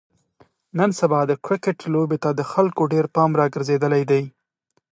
نن سبا د کرکټ لوبې ته د خلکو ډېر پام راگرځېدلی دی.